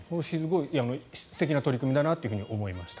素敵な取り組みだなと思いました。